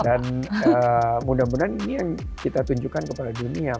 dan mudah mudahan ini yang kita tunjukkan kepada dunia